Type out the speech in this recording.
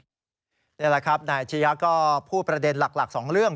นี่แหละครับนายอาชียะก็พูดประเด็นหลักสองเรื่อง